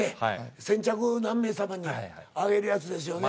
先着何名様にあげるやつですよね。